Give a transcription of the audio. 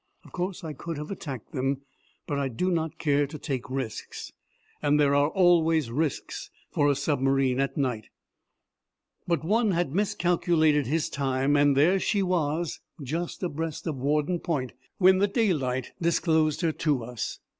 Of course I could have attacked them, but I do not care to take risks and there are always risks for a submarine at night. But one had miscalculated his time, and there she was, just abreast of Warden Point, when the daylight disclosed her to us.